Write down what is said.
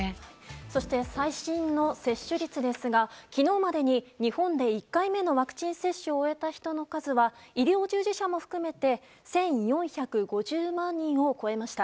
そして、最新の接種率ですが昨日までに日本で１回目のワクチン接種を終えた人の数は医療従事者も含めて１４５０万人を超えました。